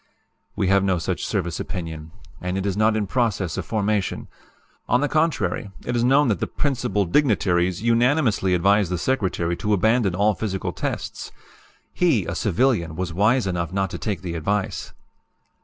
"We have no such service opinion, and it is not in process of formation. On the contrary, it is known that the 'Principal Dignitaries' unanimously advised the Secretary to abandon all physical tests. He, a civilian, was wise enough not to take the advice.